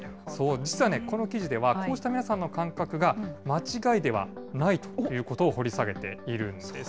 実はね、この記事では、こうした皆さんの感覚が間違いではないということを掘り下げているんです。